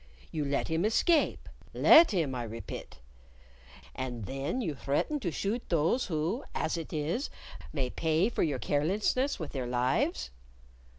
You let him escape let him, I repit and then you threaten to shoot those who, as it is, may pay for your carelessness with their lives.